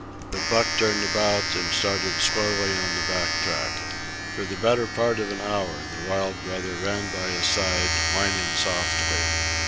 But Buck turned about and started slowly on the back track. For the better part of an hour the wild brother ran by his side, whining softly.